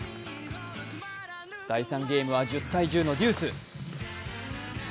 第３ゲームは１０−１０のデュース。